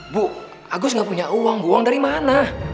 bu agus gak punya uang buang dari mana